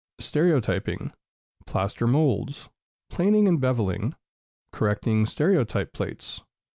Stereotyping. Plaster Moulds. Planing and Beveling. Correcting Stereotype Plates.